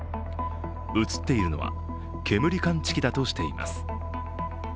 写っているのは煙感知器だとしています。